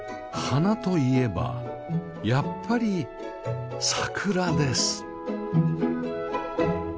花といえばやっぱり桜です